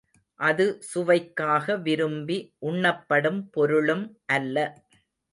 அது சுவைக்காக விரும்பி உண்ணப்படும் பொருளும் அல்ல.